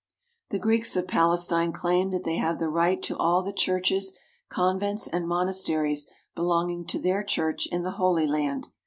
The Greeks of Palestine claim that they have the right to all the churches, convents, and monasteries belonging to their church in the Holy Land.